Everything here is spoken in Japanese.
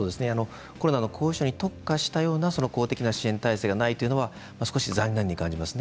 コロナの後遺症に特化した公的な支援体制がないのは、少し残念に感じます。